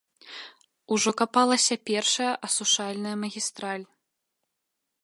Ужо капалася першая асушальная магістраль.